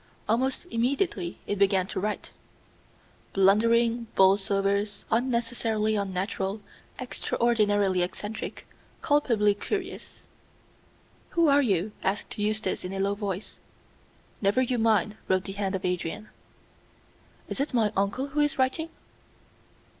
Almost immediately it began to write. "Blundering Borlsovers, unnecessarily unnatural, extraordinarily eccentric, culpably curious." "Who are you?" asked Eustace, in a low voice. "Never you mind," wrote the hand of Adrian. "Is it my uncle who is writing?"